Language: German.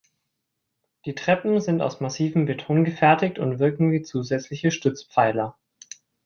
Die Treppen sind aus massivem Beton gefertigt und wirken wie zusätzliche Stützpfeiler.